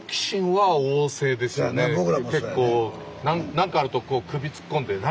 何かあるとこう首突っ込んで何？